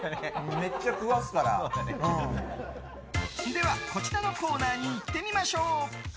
では、こちらのコーナーにいってみましょう！